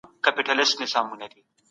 دوړه سږي زيانمنوي